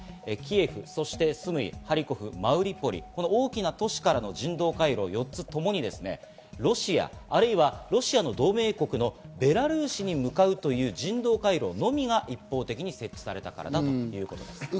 キエフ、そしてスムイ、ハリコフ、マリウポリ、大きな都市からの人道回廊４つともにロシア或いはロシアの同盟国のベラルーシに向かうという人道回廊のみが一方的に設置されたからだということです。